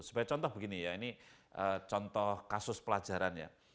sebagai contoh begini ya ini contoh kasus pelajaran ya